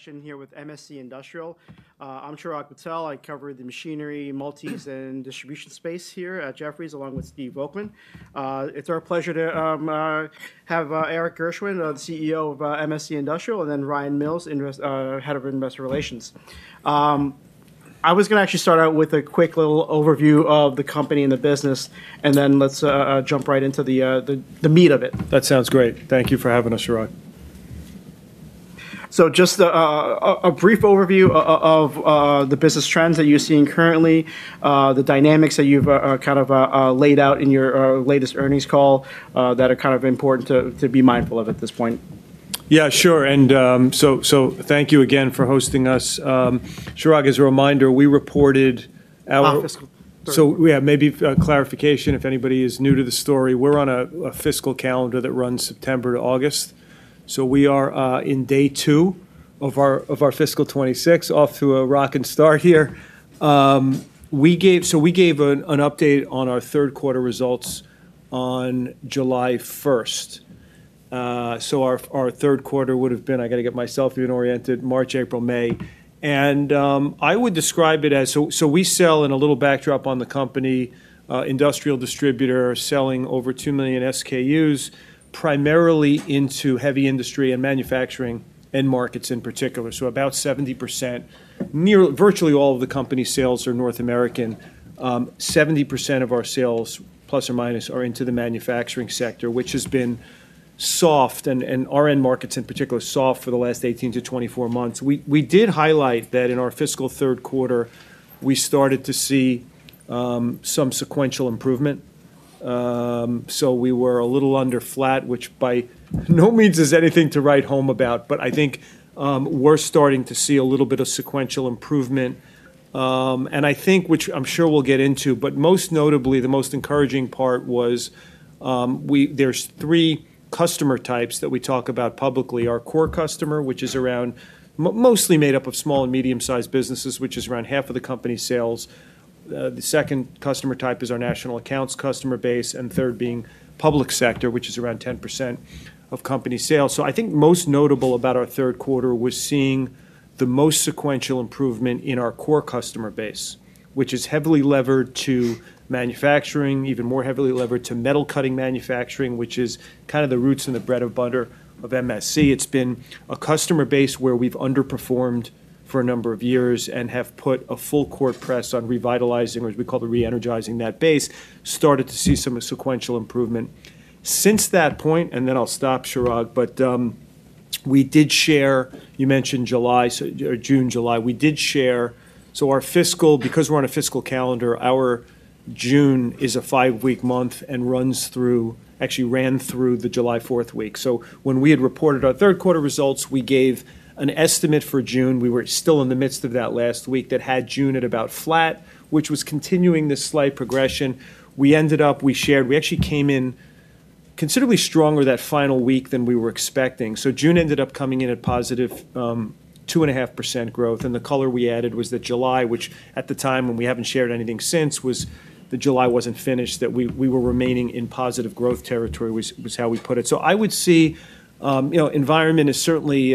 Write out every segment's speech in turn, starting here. ... session here with MSC Industrial. I'm Chirag Patel. I cover the machinery, multis, and distribution space here at Jefferies, along with Steve Volkmann. It's our pleasure to have Erik Gershwind, the CEO of MSC Industrial, and then Ryan Mills, head of Investor Relations. I was gonna actually start out with a quick little overview of the company and the business, and then let's jump right into the meat of it. That sounds great. Thank you for having us, Chirag. Just a brief overview of the business trends that you're seeing currently, the dynamics that you've kind of laid out in your latest earnings call, that are kind of important to be mindful of at this point. Yeah, sure, and, so thank you again for hosting us. Chirag, as a reminder, we reported our- fiscal. So yeah, maybe a clarification if anybody is new to the story. We're on a fiscal calendar that runs September to August, so we are in day two of our fiscal '26, off to a rocking start here. We gave an update on our third quarter results on July 1st, so our third quarter would've been. I gotta get myself reoriented. March, April, May, and I would describe it as. So we sell, and a little backdrop on the company, industrial distributor selling over two million SKUs, primarily into heavy industry and manufacturing end markets in particular, so about 70%, nearly virtually all of the company's sales are North American. 70% of our sales, plus or minus, are into the manufacturing sector, which has been soft, and our end markets in particular, soft for the last 18-24 months. We did highlight that in our fiscal third quarter, we started to see some sequential improvement. So we were a little under flat, which by no means is anything to write home about, but I think we're starting to see a little bit of sequential improvement. And I think, which I'm sure we'll get into, but most notably, the most encouraging part was there's three customer types that we talk about publicly. Our core customer, which is around mostly made up of small and medium-sized businesses, which is around half of the company's sales. The second customer type is our national accounts customer base, and third being public sector, which is around 10% of company sales. So I think most notable about our third quarter was seeing the most sequential improvement in our core customer base, which is heavily levered to manufacturing, even more heavily levered to metal-cutting manufacturing, which is kind of the roots and the bread and butter of MSC. It's been a customer base where we've underperformed for a number of years and have put a full court press on revitalizing, or as we call the re-energizing that base, started to see some sequential improvement. Since that point, and then I'll stop, Chirag, but we did share. You mentioned July, so June, July, we did share. Our fiscal, because we're on a fiscal calendar, our June is a five-week month and actually ran through the July 4th week. So when we had reported our third quarter results, we gave an estimate for June. We were still in the midst of that last week that had June at about flat, which was continuing this slight progression. We ended up actually coming in considerably stronger that final week than we were expecting. So June ended up coming in at positive 2.5% growth, and the color we added was that July, which at the time, and we haven't shared anything since, was that July wasn't finished, that we were remaining in positive growth territory. That was how we put it. So I would say, you know, the environment is certainly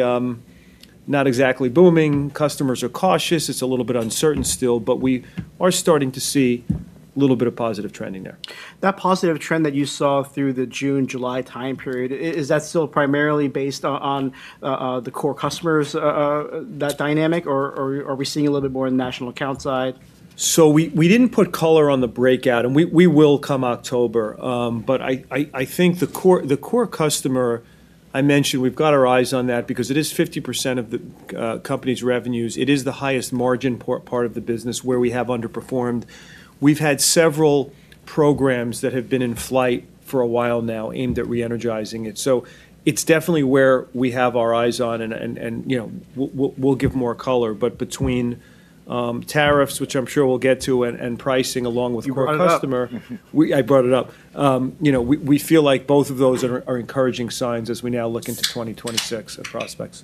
not exactly booming. Customers are cautious. It's a little bit uncertain still, but we are starting to see a little bit of positive trending there. That positive trend that you saw through the June-July time period, is that still primarily based on, the core customers, that dynamic, or, or are we seeing a little bit more on the national account side? So we didn't put color on the breakout, and we will come October. But I think the core customer I mentioned, we've got our eyes on that because it is 50% of the company's revenues. It is the highest margin part of the business, where we have underperformed. We've had several programs that have been in flight for a while now, aimed at re-energizing it. So it's definitely where we have our eyes on, and, you know, we'll give more color, but between tariffs, which I'm sure we'll get to, and pricing, along with core customer. You brought it up. I brought it up. You know, we feel like both of those are encouraging signs as we now look into 2026 and prospects.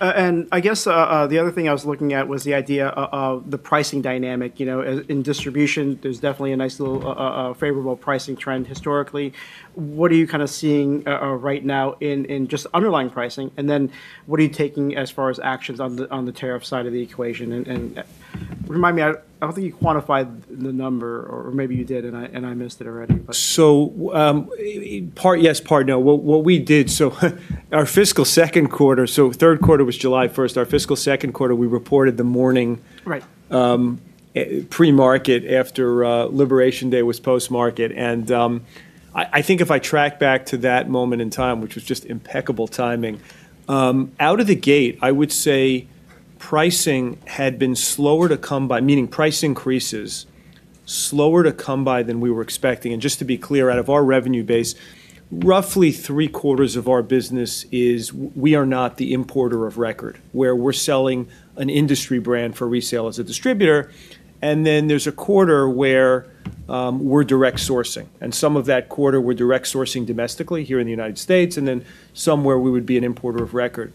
And I guess the other thing I was looking at was the idea of the pricing dynamic. You know, in distribution, there's definitely a nice little favorable pricing trend historically. What are you kinda seeing right now in just underlying pricing? And then, what are you taking as far as actions on the tariff side of the equation? And remind me, I don't think you quantified the number, or maybe you did, and I missed it already, but- So, part yes, part no. What we did, so our fiscal second quarter, so third quarter was July 1st. Our fiscal second quarter, we reported the morning- Right... pre-market after Liberation Day was post-market. And I think if I track back to that moment in time, which was just impeccable timing, out of the gate, I would say pricing had been slower to come by, meaning price increases, slower to come by than we were expecting. And just to be clear, out of our revenue base, roughly three-quarters of our business is we are not the importer of record, where we're selling an industry brand for resale as a distributor, and then there's a quarter where we're direct sourcing, and some of that quarter we're direct sourcing domestically here in the United States, and then somewhere we would be an importer of record.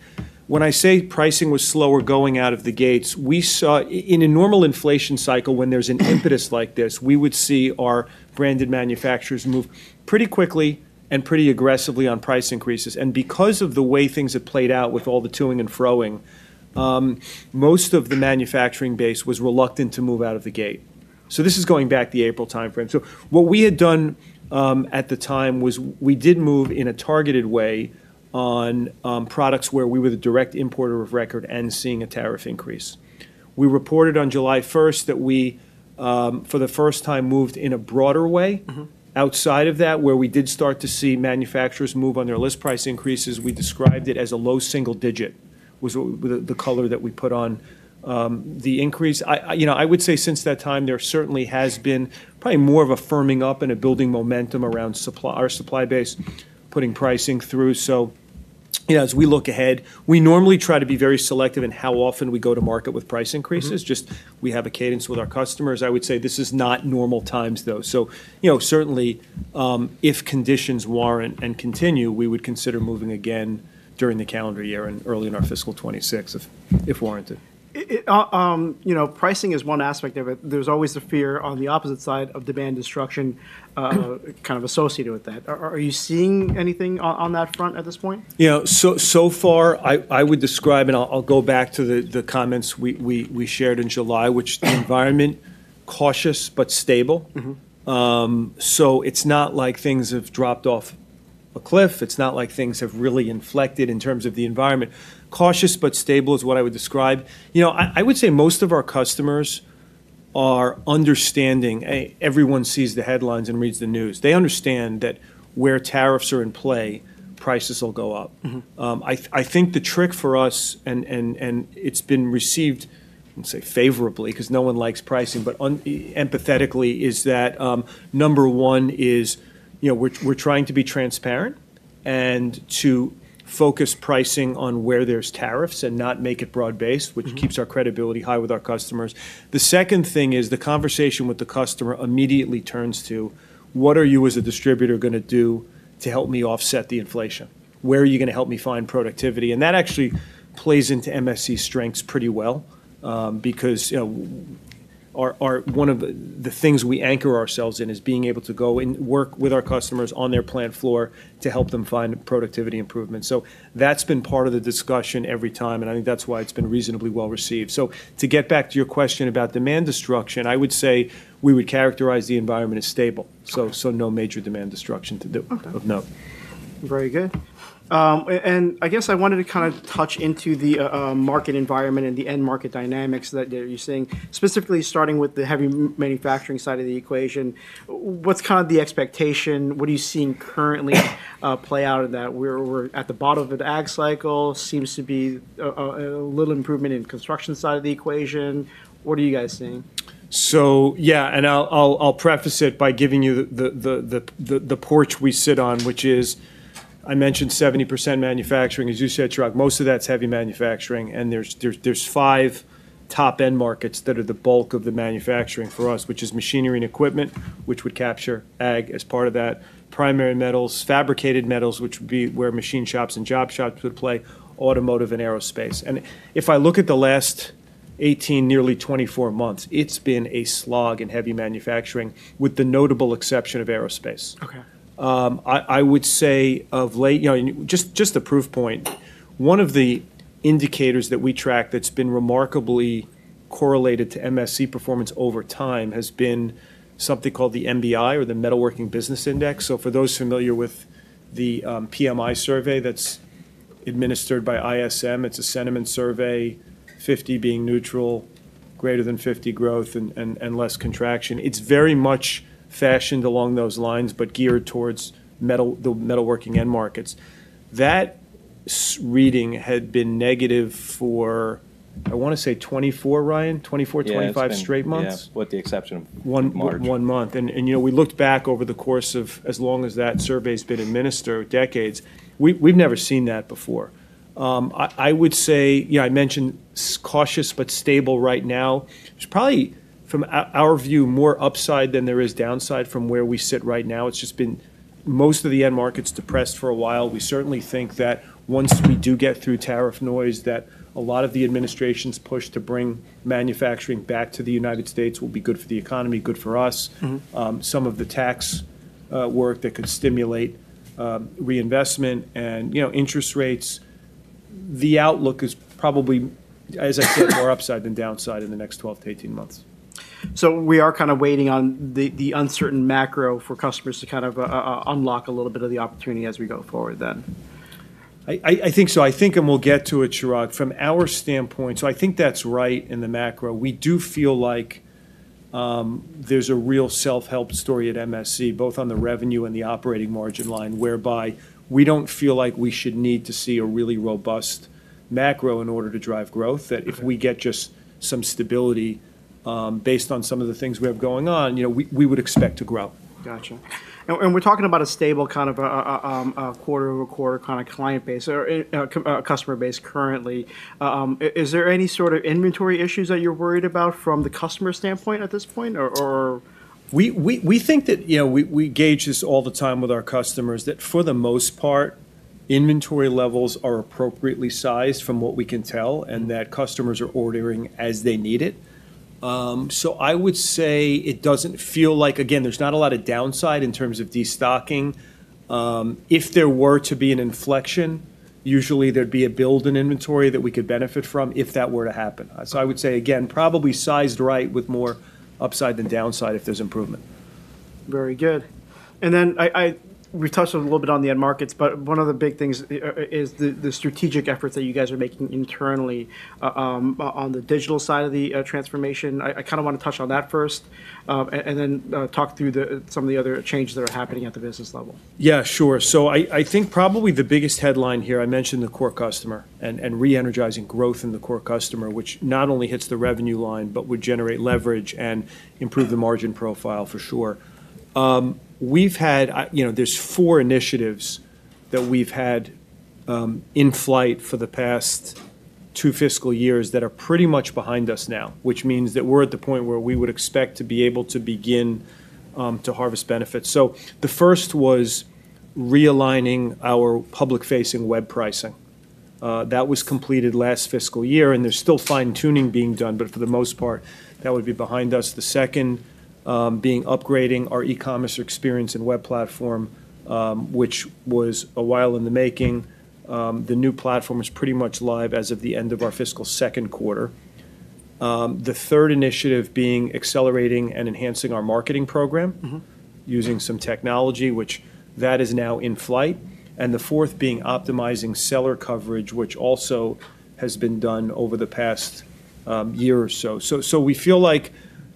When I say pricing was slower going out of the gates, we saw... In a normal inflation cycle, when there's an impetus like this, we would see our branded manufacturers move pretty quickly and pretty aggressively on price increases. Because of the way things have played out with all the to-ing and fro-ing, most of the manufacturing base was reluctant to move out of the gate. So this is going back to the April timeframe. So what we had done, at the time, was we did move in a targeted way on products where we were the direct importer of record and seeing a tariff increase. We reported on July 1st that we, for the first time, moved in a broader way- Mm-hmm... outside of that, where we did start to see manufacturers move on their list price increases. We described it as a low single digit, the color that we put on the increase. You know, I would say since that time, there certainly has been probably more of a firming up and a building momentum around supply, our supply base, putting pricing through. So, you know, as we look ahead, we normally try to be very selective in how often we go to market with price increases. Mm-hmm. Just we have a cadence with our customers. I would say this is not normal times though, so, you know, certainly, if conditions warrant and continue, we would consider moving again during the calendar year and early in our fiscal 2026, if warranted. you know, pricing is one aspect of it. There's always the fear on the opposite side of demand destruction kind of associated with that. Are you seeing anything on that front at this point? You know, so far, I would describe, and I'll go back to the comments we shared in July: the environment, cautious but stable. Mm-hmm. So it's not like things have dropped off a cliff. It's not like things have really inflected in terms of the environment. Cautious but stable is what I would describe. You know, I would say most of our customers are understanding. Everyone sees the headlines and reads the news. They understand that where tariffs are in play, prices will go up. Mm-hmm. I think the trick for us, and it's been received, I wouldn't say favorably, 'cause no one likes pricing, but unempathetically, is that, number one is, you know, we're trying to be transparent, and to focus pricing on where there's tariffs and not make it broad-based- Mm-hmm... which keeps our credibility high with our customers. The second thing is the conversation with the customer immediately turns to: "What are you, as a distributor, gonna do to help me offset the inflation? Where are you gonna help me find productivity?", and that actually plays into MSC's strengths pretty well, because, you know, One of the things we anchor ourselves in is being able to go and work with our customers on their plant floor to help them find productivity improvement. So that's been part of the discussion every time, and I think that's why it's been reasonably well-received. So to get back to your question about demand destruction, I would say we would characterize the environment as stable. So no major demand destruction to do- Okay... of note. Very good, and I guess I wanted to kind of touch into the market environment and the end market dynamics that you're seeing, specifically starting with the heavy manufacturing side of the equation. What's kind of the expectation? What are you seeing currently play out in that? We're at the bottom of an ag cycle, seems to be a little improvement in construction side of the equation. What are you guys seeing? Yeah, and I'll preface it by giving you the perch we sit on, which is, I mentioned, 70% manufacturing. As you said, Chirag, most of that's heavy manufacturing, and there's five top end markets that are the bulk of the manufacturing for us, which is machinery and equipment, which would capture ag as part of that, primary metals, fabricated metals, which would be where machine shops and job shops would play, automotive, and aerospace. If I look at the last 18, nearly 24 months, it's been a slog in heavy manufacturing, with the notable exception of aerospace. Okay. I would say, of late. You know, and just a proof point, one of the indicators that we track that's been remarkably correlated to MSC performance over time, has been something called the MBI or the Metalworking Business Index. So for those familiar with the PMI survey that's administered by ISM, it's a sentiment survey, 50 being neutral, greater than 50, growth, and less contraction. It's very much fashioned along those lines, but geared towards metal, the metalworking end markets. That reading had been negative for, I wanna say, 24, Ryan? Twenty-four, 25 straight months. Yeah, it's been, yeah, with the exception of- One-... March... one month, and you know, we looked back over the course of as long as that survey's been administered, decades, we've never seen that before. I would say... You know, I mentioned cautious but stable right now. There's probably, from our view, more upside than there is downside from where we sit right now. It's just been most of the end markets depressed for a while. We certainly think that once we do get through tariff noise, that a lot of the administration's push to bring manufacturing back to the United States will be good for the economy, good for us. Mm-hmm. Some of the tax work that could stimulate reinvestment and, you know, interest rates, the outlook is probably, as I said, more upside than downside in the next 12 to 18 months. So we are kind of waiting on the uncertain macro for customers to kind of unlock a little bit of the opportunity as we go forward, then? I think so. I think, and we'll get to it, Chirag, from our standpoint. So I think that's right in the macro. We do feel like there's a real self-help story at MSC, both on the revenue and the operating margin line, whereby we don't feel like we should need to see a really robust macro in order to drive growth. Okay. That if we get just some stability, based on some of the things we have going on, you know, we would expect to grow. Gotcha. And we're talking about a stable, kind of a quarter over quarter kind of client base or customer base currently. Is there any sort of inventory issues that you're worried about from the customer standpoint at this point, or...? We think that, you know, we gauge this all the time with our customers, that for the most part, inventory levels are appropriately sized from what we can tell, and that customers are ordering as they need it. So I would say it doesn't feel like, again, there's not a lot of downside in terms of destocking. If there were to be an inflection, usually there'd be a build in inventory that we could benefit from if that were to happen. So I would say again, probably sized right, with more upside than downside if there's improvement. Very good. And then we touched a little bit on the end markets, but one of the big things is the strategic efforts that you guys are making internally on the digital side of the transformation. I kinda wanna touch on that first, and then talk through some of the other changes that are happening at the business level. Yeah, sure, so I think probably the biggest headline here, I mentioned the Core Customer, and re-energizing growth in the Core Customer, which not only hits the revenue line, but would generate leverage and improve the margin profile for sure. We've had, you know, there's four initiatives that we've had in flight for the past two fiscal years that are pretty much behind us now, which means that we're at the point where we would expect to be able to begin to harvest benefits, so the first was realigning our public-facing web pricing. That was completed last fiscal year, and there's still fine-tuning being done, but for the most part, that would be behind us. The second being upgrading our e-commerce experience and web platform, which was a while in the making. The new platform is pretty much live as of the end of our fiscal second quarter. The third initiative being accelerating and enhancing our marketing program- Mm-hmm... using some technology, which that is now in flight, and the fourth being optimizing seller coverage, which also has been done over the past, year or so. So we feel like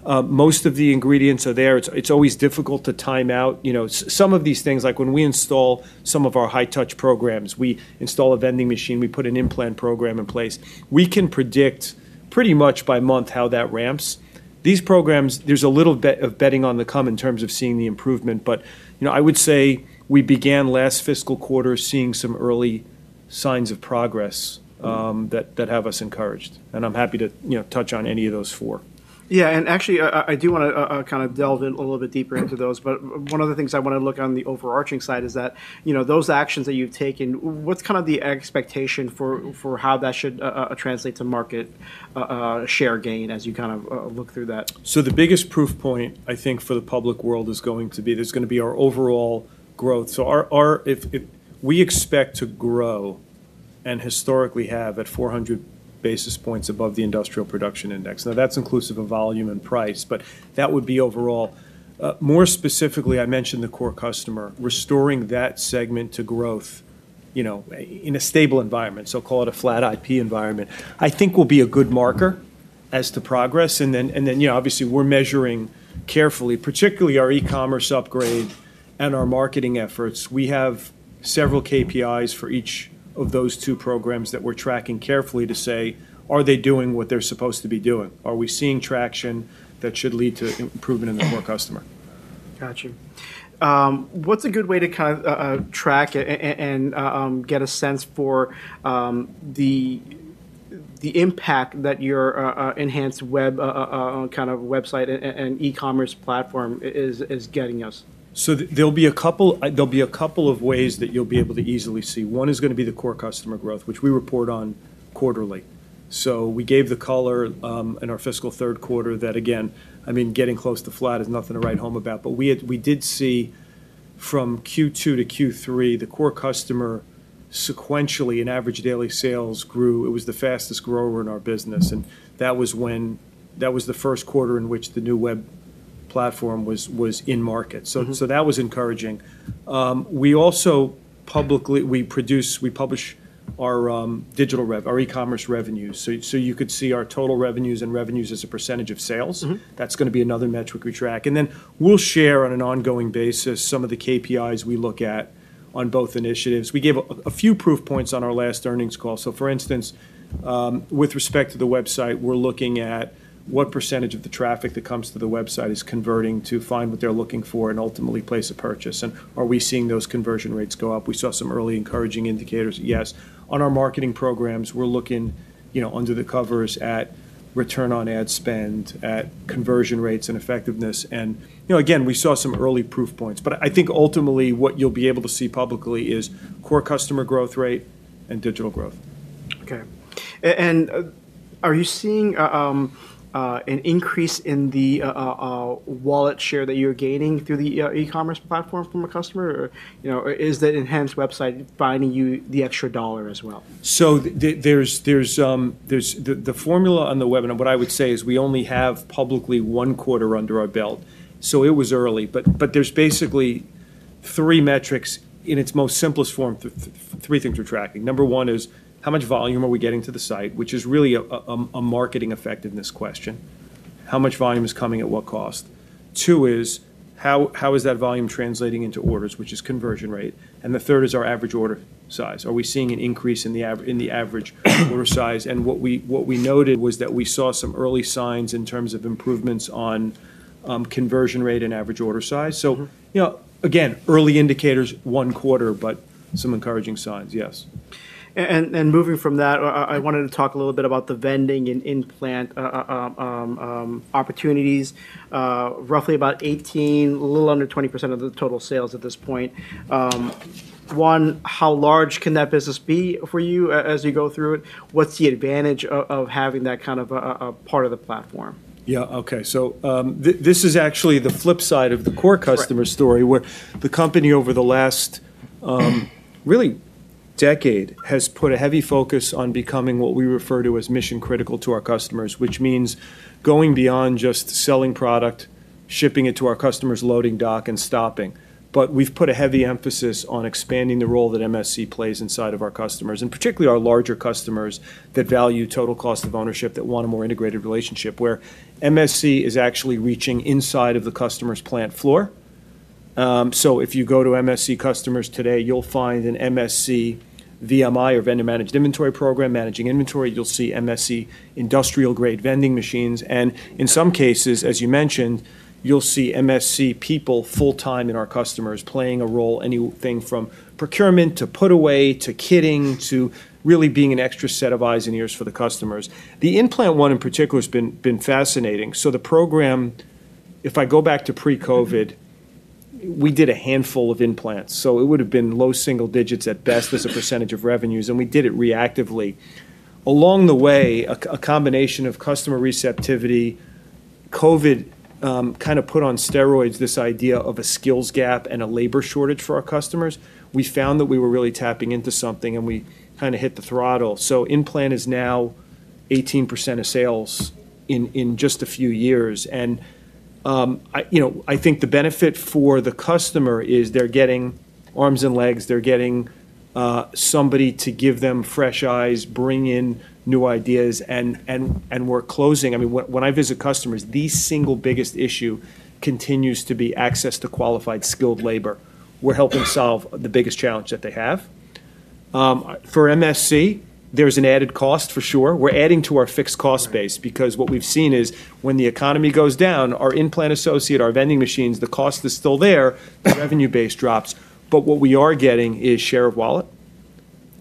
most of the ingredients are there. It's always difficult to time out. You know, some of these things, like when we install some of our high-touch programs, we install a vending machine, we put an In-Plant Mm... that have us encouraged, and I'm happy to, you know, touch on any of those four. Yeah, and actually, I do wanna kind of delve in a little bit deeper into those. Mm. But one of the things I wanna look on the overarching side is that, you know, those actions that you've taken, what's kind of the expectation for how that should translate to market share gain as you kind of look through that? So the biggest proof point, I think, for the public world is going to be, there's gonna be our overall growth. If we expect to grow, and historically have, at 400 basis points above the industrial production index. Now, that's inclusive of volume and price, but that would be overall. More specifically, I mentioned the core customer, restoring that segment to growth, you know, in a stable environment, so call it a flat IP environment, I think will be a good marker. Mm... as to progress. And then, you know, obviously we're measuring carefully, particularly our e-commerce upgrade and our marketing efforts. We have several KPIs for each of those two programs that we're tracking carefully to say, "Are they doing what they're supposed to be doing? Are we seeing traction that should lead to improvement in the core customer? Got you. What's a good way to kind of track and get a sense for the impact that your enhanced website and e-commerce platform is getting us? So there'll be a couple of ways that you'll be able to easily see. One is gonna be the core customer growth, which we report on quarterly. So we gave the color in our fiscal third quarter, that again, I mean, getting close to flat is nothing to write home about, but we did see from Q2 to Q3, the core customer sequentially, in average daily sales, grew. It was the fastest grower in our business, and that was the first quarter in which the new web platform was in market. Mm-hmm. So that was encouraging. We also publicly, we produce, we publish our e-commerce revenues. So you could see our total revenues and revenues as a percentage of sales. Mm-hmm. That's gonna be another metric we track, and then we'll share on an ongoing basis some of the KPIs we look at on both initiatives. We gave a few proof points on our last earnings call, so for instance, with respect to the website, we're looking at what percentage of the traffic that comes to the website is converting to find what they're looking for and ultimately place a purchase, and are we seeing those conversion rates go up? We saw some early encouraging indicators, yes. On our marketing programs, we're looking, you know, under the covers at return on ad spend, at conversion rates and effectiveness, and, you know, again, we saw some early proof points, but I think ultimately what you'll be able to see publicly is core customer growth rate and digital growth. Okay. Are you seeing an increase in the wallet share that you're gaining through the e-commerce platform from a customer? Or, you know, is the enhanced website finding you the extra dollar as well? So there's the formula on the web, and what I would say is we only have publicly one quarter under our belt, so it was early. But there's basically three metrics in its most simplest form, three things we're tracking. Number one is, how much volume are we getting to the site? Which is really a marketing effectiveness question. How much volume is coming at what cost? Two is, how is that volume translating into orders, which is conversion rate, and the third is our average order size. Are we seeing an increase in the average order size? And what we noted was that we saw some early signs in terms of improvements on conversion rate and average order size. Mm-hmm. So, you know, again, early indicators, one quarter, but some encouraging signs, yes. Moving from that, I wanted to talk a little bit about the vending and in-plant opportunities. Roughly about 18%, a little under 20% of the total sales at this point. One, how large can that business be for you as you go through it? What's the advantage of having that kind of a part of the platform? Yeah, okay, so this is actually the flip side of the core customer- Right... story, where the company over the last decade has put a heavy focus on becoming what we refer to as mission critical to our customers, which means going beyond just selling product, shipping it to our customer's loading dock, and stopping. But we've put a heavy emphasis on expanding the role that MSC plays inside of our customers, and particularly our larger customers that value total cost of ownership, that want a more integrated relationship, where MSC is actually reaching inside of the customer's plant floor. So if you go to MSC customers today, you'll find an MSC VMI, or Vendor Managed Inventory program, managing inventory. You'll see MSC industrial-grade vending machines, and in some cases, as you mentioned, you'll see MSC people full-time in our customers', playing a role, anything from procurement, to put away, to kitting, to really being an extra set of eyes and ears for the customers. The In-Plants You know, I think the benefit for the customer is they're getting arms and legs. They're getting somebody to give them fresh eyes, bring in new ideas, and we're closing. I mean, when I visit customers, the single biggest issue continues to be access to qualified, skilled labor. We're helping solve the biggest challenge that they have. For MSC, there's an added cost for sure. We're adding to our fixed cost base. Right... because what we've seen is when the economy goes down, our in-plant associate, our vending machines, the cost is still there. The revenue base drops, but what we are getting is share of wallet,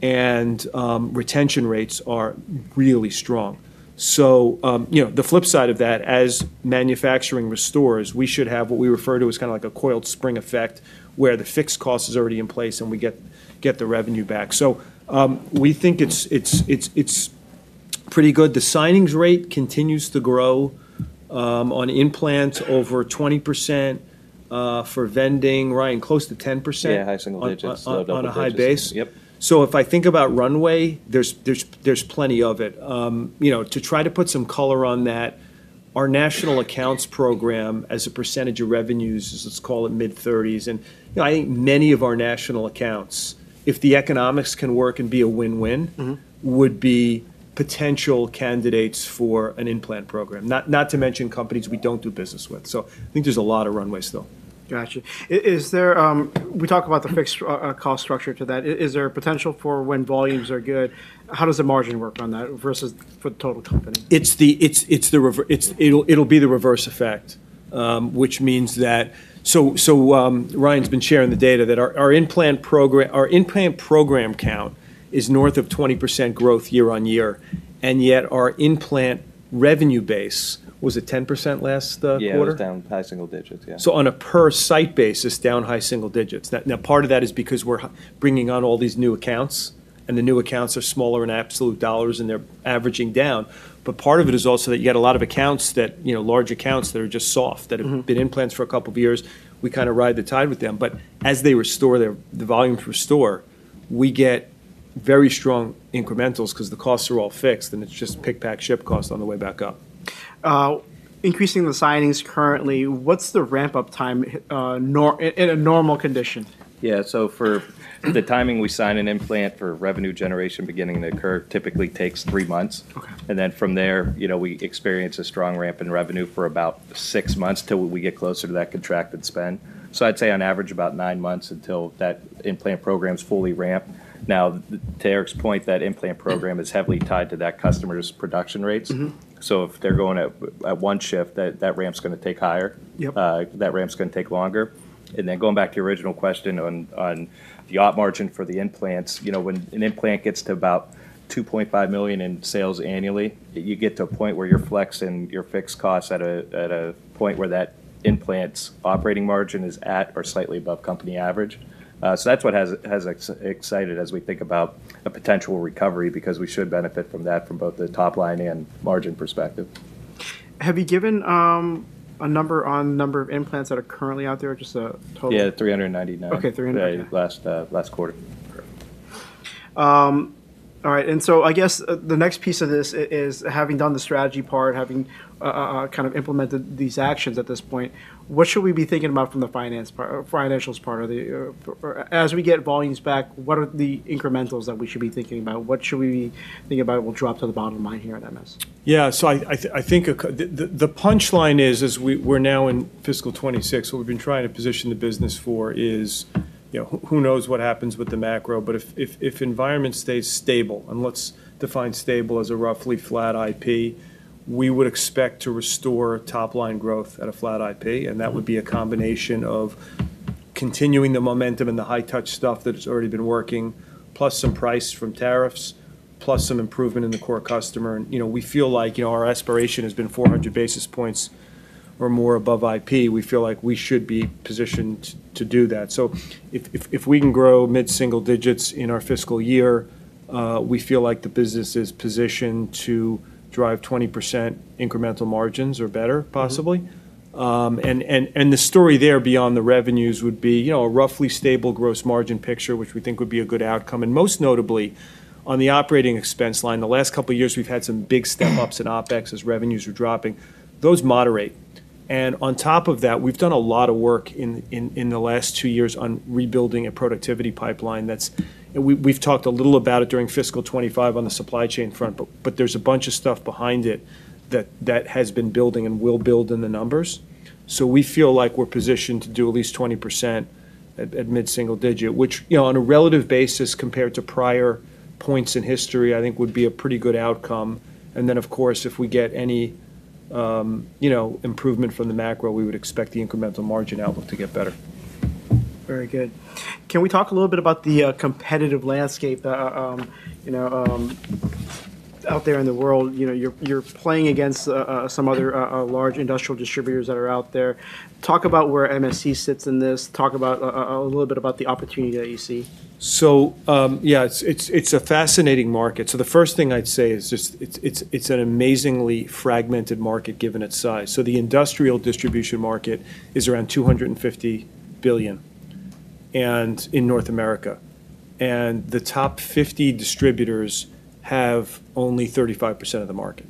and retention rates are really strong. So you know, the flip side of that, as manufacturing restores, we should have what we refer to as kind of like a coiled spring effect, where the fixed cost is already in place, and we get the revenue back. So we think it's pretty good. The signings rate continues to grow on implants over 20%, for vending, Ryan, close to 10%? Yeah, high single digits. On a high base? Yep. So if I think about runway, there's plenty of it. You know, to try to put some color on that, our national accounts program, as a percentage of revenues, is, let's call it mid-thirties. And, you know, I think many of our national accounts, if the economics can work and be a win-win- Mm-hmm... would be potential candidates for an implant program. Not to mention companies we don't do business with, so I think there's a lot of runway still. Gotcha. Is there... We talk about the fixed cost structure to that. Is there a potential for when volumes are good? How does the margin work on that versus for the total company? It's the reverse effect, which means that. So, Ryan's been sharing the data that our in-plant program count is north of 20% growth year on year, and yet our in-plant revenue base, was it 10% last quarter? Yeah, it was down high single digits, yeah. So on a per site basis, down high single digits. Now part of that is because we're bringing on all these new accounts, and the new accounts are smaller in absolute dollars, and they're averaging down. But part of it is also that you had a lot of accounts that, you know, large accounts that are just soft- Mm-hmm... that have been implants for a couple of years. We kind of ride the tide with them, but as they restore the volume restore, we get very strong incrementals 'cause the costs are all fixed, and it's just pick, pack, ship cost on the way back up. Increasing the signings currently, what's the ramp-up time in a normal condition? The timing, we sign an implant for revenue generation beginning to occur, typically takes three months. Okay. And then from there, you know, we experience a strong ramp in revenue for about six months till we get closer to that contracted spend. So I'd say on average, about nine months until that implant program's fully ramped. Now, to Erik's point, that implant program is heavily tied to that customer's production rates. Mm-hmm. So if they're going at one shift, that ramp's gonna take higher. Yep. That ramp's gonna take longer. And then going back to your original question on the op margin for the implants, you know, when an implant gets to about $2.5 million in sales annually, you get to a point where you're flexing your fixed costs at a point where that implant's operating margin is at or slightly above company average. So that's what has excited as we think about a potential recovery because we should benefit from that, from both the top line and margin perspective. Have you given a number on number of implants that are currently out there, just a total? Yeah, three hundred and ninety-nine. Okay, three hundred and ninety-nine. Yeah, last quarter. Correct. All right, and so I guess, the next piece of this is having done the strategy part, having kind of implemented these actions at this point, what should we be thinking about from the finance part, or financials part? Or, as we get volumes back, what are the incrementals that we should be thinking about? What should we be thinking about will drop to the bottom line here at MSC? Yeah, so I think, the punchline is, we're now in fiscal 2026, so we've been trying to position the business for, you know, who knows what happens with the macro? But if environment stays stable, and let's define stable as a roughly flat IP, we would expect to restore top-line growth at a flat IP, and that would be a combination of continuing the momentum and the high-touch stuff that has already been working, plus some price from tariffs, plus some improvement in the core customer. And, you know, we feel like, you know, our aspiration has been 400 basis points or more above IP. We feel like we should be positioned to do that. So if we can grow mid-single digits in our fiscal year-... We feel like the business is positioned to drive 20% incremental margins or better, possibly. Mm-hmm. And the story there beyond the revenues would be, you know, a roughly stable gross margin picture, which we think would be a good outcome, and most notably, on the operating expense line, the last couple years we've had some big step-ups in OpEx as revenues are dropping. Those moderate, and on top of that, we've done a lot of work in the last two years on rebuilding a productivity pipeline that's, and we've talked a little about it during fiscal 2025 on the supply chain front, but there's a bunch of stuff behind it that has been building and will build in the numbers. So we feel like we're positioned to do at least 20% at mid-single digit, which, you know, on a relative basis compared to prior points in history, I think would be a pretty good outcome. And then, of course, if we get any, you know, improvement from the macro, we would expect the incremental margin output to get better. Very good. Can we talk a little bit about the competitive landscape? You know, out there in the world, you know, you're playing against some other large industrial distributors that are out there. Talk about where MSC sits in this. Talk about a little bit about the opportunity that you see. So, yeah, it's a fascinating market. The first thing I'd say is just it's an amazingly fragmented market, given its size. So the industrial distribution market is around $250 billion in North America, and the top 50 distributors have only 35% of the market.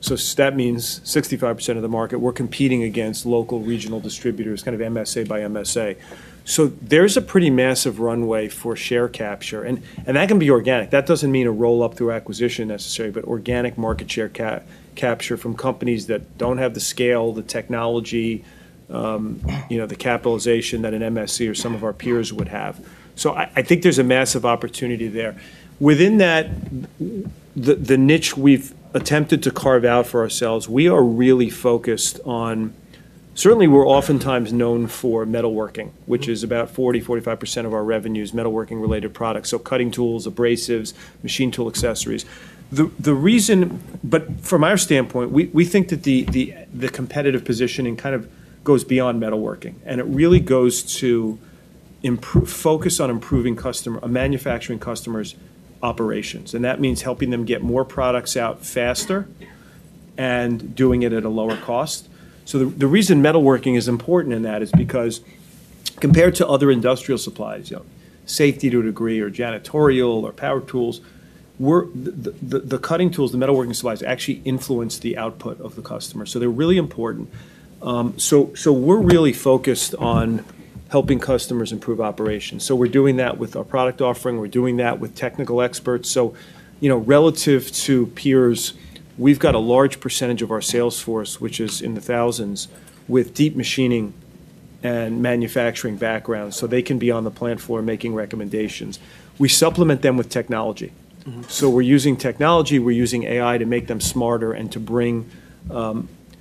So that means 65% of the market, we're competing against local, regional distributors, kind of MSA by MSA. So there's a pretty massive runway for share capture, and that can be organic. That doesn't mean a roll-up through acquisition necessarily, but organic market share capture from companies that don't have the scale, the technology, you know, the capitalization that an MSC or some of our peers would have. So I think there's a massive opportunity there. Within that, the niche we've attempted to carve out for ourselves, we are really focused on... Certainly, we're oftentimes known for metalworking, which is about 40%-45% of our revenue is metalworking-related products, so cutting tools, abrasives, machine tool accessories. The reason but from our standpoint, we think that the competitive positioning kind of goes beyond metalworking, and it really goes to focus on improving a manufacturing customer's operations, and that means helping them get more products out faster and doing it at a lower cost, so the reason metalworking is important in that is because compared to other industrial supplies, you know, safety to a degree, or janitorial, or power tools, the cutting tools, the metalworking supplies, actually influence the output of the customer, so they're really important, so we're really focused on helping customers improve operations, so we're doing that with our product offering. We're doing that with technical experts. So, you know, relative to peers, we've got a large percentage of our sales force, which is in the thousands, with deep machining and manufacturing backgrounds, so they can be on the plant floor making recommendations. We supplement them with technology. Mm-hmm. So we're using technology, we're using AI to make them smarter and to bring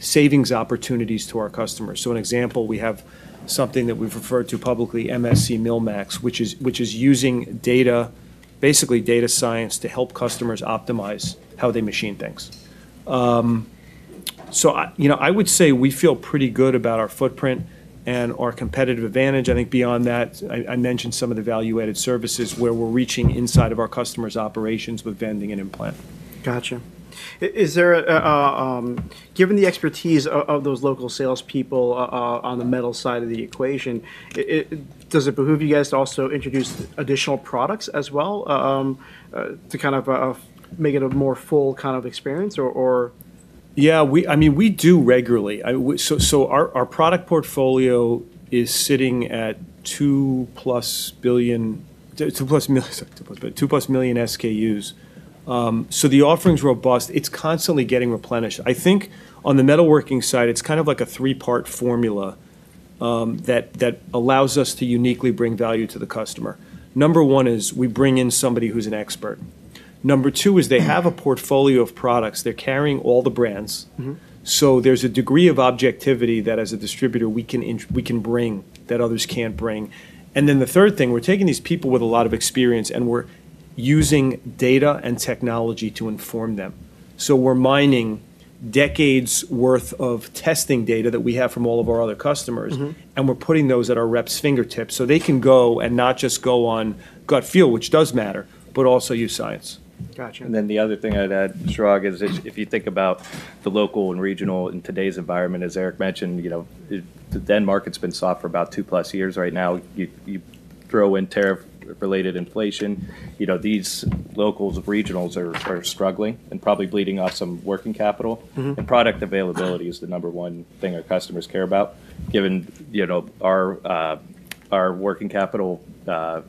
savings opportunities to our customers. So an example, we have something that we've referred to publicly, MSC MillMax, which is using data, basically data science, to help customers optimize how they machine things. So I, you know, I would say we feel pretty good about our footprint and our competitive advantage. I think beyond that, I mentioned some of the value-added services, where we're reaching inside of our customers' operations with vending and In-Plant. Gotcha. Is there, given the expertise of those local salespeople on the metal side of the equation, does it behoove you guys to also introduce additional products as well, to kind of make it a more full kind of experience, or...? Yeah, I mean, we do regularly. So our product portfolio is sitting at two plus million SKUs. So the offering's robust. It's constantly getting replenished. I think on the metalworking side, it's kind of like a three-part formula that allows us to uniquely bring value to the customer. Number one is we bring in somebody who's an expert. Number two is they have a portfolio of products. They're carrying all the brands. Mm-hmm. So there's a degree of objectivity that, as a distributor, we can bring, that others can't bring. And then the third thing, we're taking these people with a lot of experience, and we're using data and technology to inform them. So we're mining decades' worth of testing data that we have from all of our other customers. Mm-hmm... and we're putting those at our reps' fingertips, so they can go and not just go on gut feel, which does matter, but also use science. Gotcha. Then the other thing I'd add, Chirag, is if you think about the local and regional in today's environment, as Erik mentioned, you know, the demand's been soft for about two-plus years right now. You throw in tariff-related inflation, you know, these locals and regionals are struggling and probably bleeding off some working capital. Mm-hmm. Product availability is the number one thing our customers care about, given, you know, our working capital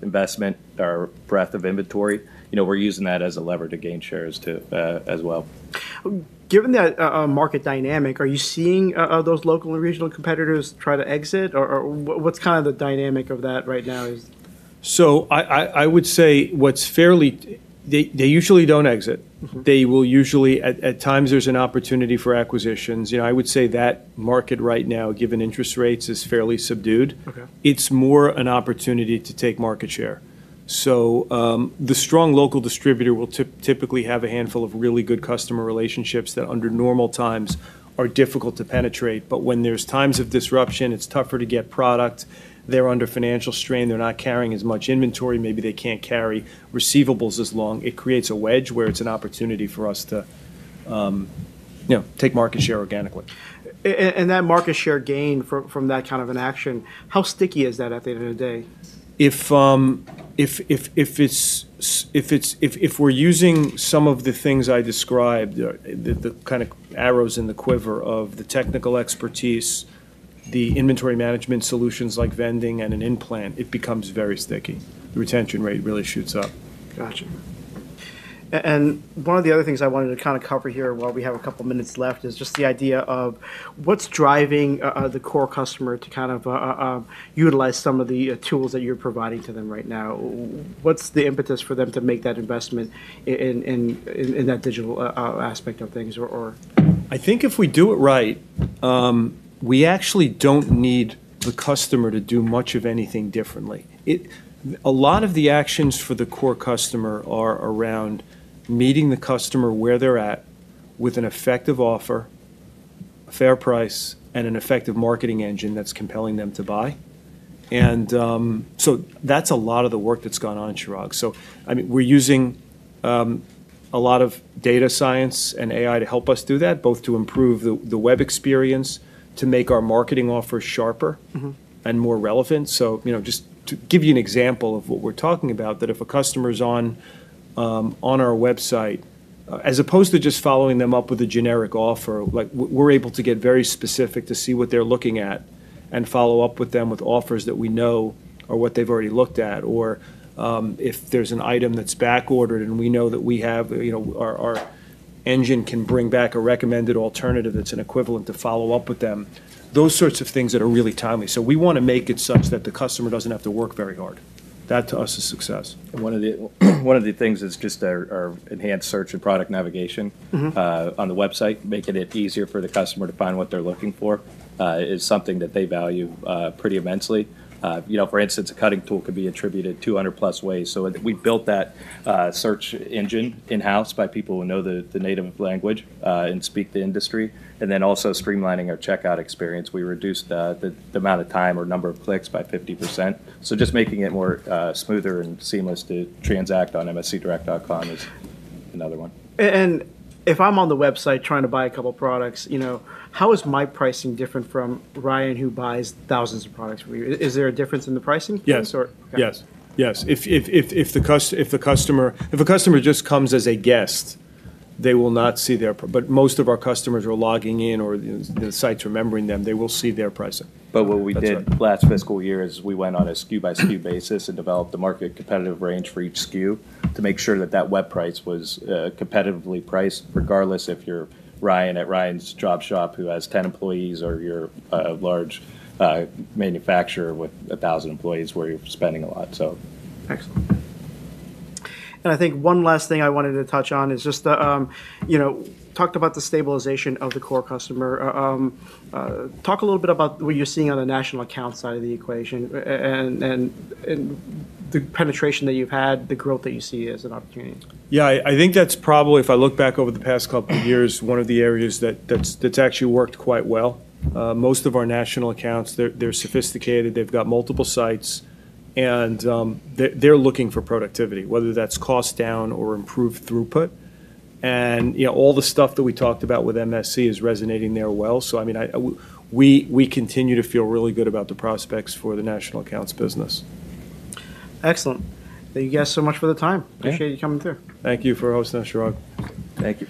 investment, our breadth of inventory, you know, we're using that as a lever to gain shares too, as well. Given that market dynamic, are you seeing those local and regional competitors try to exit, or what's kind of the dynamic of that right now is? I would say what's fairly... They usually don't exit. Mm-hmm. They will usually... At times, there's an opportunity for acquisitions. You know, I would say that market right now, given interest rates, is fairly subdued. Okay. It's more an opportunity to take market share, so the strong local distributor will typically have a handful of really good customer relationships that, under normal times, are difficult to penetrate, but when there's times of disruption, it's tougher to get product. They're under financial strain. They're not carrying as much inventory. Maybe they can't carry receivables as long. It creates a wedge, where it's an opportunity for us to, you know, take market share organically. and that market share gain from that kind of an action, how sticky is that at the end of the day? If we're using some of the things I described, the kind of arrows in the quiver of the technical expertise, the inventory management solutions like vending and an In-Plant, it becomes very sticky. The retention rate really shoots up. Gotcha. And one of the other things I wanted to kind of cover here while we have a couple minutes left, is just the idea of what's driving the core customer to kind of utilize some of the tools that you're providing to them right now? What's the impetus for them to make that investment in that digital aspect of things or I think if we do it right, we actually don't need the customer to do much of anything differently. A lot of the actions for the core customer are around meeting the customer where they're at with an effective offer, a fair price, and an effective marketing engine that's compelling them to buy. And, so that's a lot of the work that's gone on, Chirag. So I mean, we're using a lot of data science and AI to help us do that, both to improve the web experience, to make our marketing offers sharper- Mm-hmm... and more relevant. So you know, just to give you an example of what we're talking about, that if a customer's on our website, as opposed to just following them up with a generic offer, like, we're able to get very specific to see what they're looking at, and follow up with them with offers that we know are what they've already looked at. Or, if there's an item that's backordered and we know that we have, you know, our engine can bring back a recommended alternative that's an equivalent, to follow up with them. Those sorts of things that are really timely. So we wanna make it such that the customer doesn't have to work very hard. That, to us, is success. And one of the things that's just our enhanced search and product navigation- Mm-hmm... on the website, making it easier for the customer to find what they're looking for, is something that they value pretty immensely. You know, for instance, a cutting tool could be attributed 200-plus ways, so we built that search engine in-house by people who know the native language and speak the industry. And then also streamlining our checkout experience. We reduced the amount of time or number of clicks by 50%. So just making it more smoother and seamless to transact on mscdirect.com is another one. And if I'm on the website trying to buy a couple products, you know, how is my pricing different from Ryan, who buys thousands of products from you? Is there a difference in the pricing? Yes. Okay. Yes, yes. If a customer just comes as a guest, they will not see their pricing, but most of our customers are logging in, or the site's remembering them, they will see their pricing. But what we did- That's right... last fiscal year is we went on a SKU-by-SKU basis and developed a market competitive range for each SKU, to make sure that that web price was, competitively priced, regardless if you're Ryan at Ryan's Job Shop, who has ten employees, or you're a large, manufacturer with 1,000 employees, where you're spending a lot, so. Excellent, and I think one last thing I wanted to touch on is just the. You know, talked about the stabilization of the core customer. Talk a little bit about what you're seeing on the national account side of the equation, and the penetration that you've had, the growth that you see as an opportunity. Yeah, I think that's probably, if I look back over the past couple years, one of the areas that's actually worked quite well. Most of our national accounts, they're sophisticated, they've got multiple sites, and they're looking for productivity, whether that's cost down or improved throughput. And, you know, all the stuff that we talked about with MSC is resonating there well. So I mean we continue to feel really good about the prospects for the national accounts business. Excellent. Thank you guys so much for the time. Yeah. Appreciate you coming through. Thank you for hosting us, Chirag. Thank you.